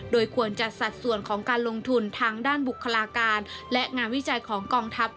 โดยควรจัดสัดส่วนของการลงทุนทางด้านบุคลาการและงานวิจัยของกองทัพ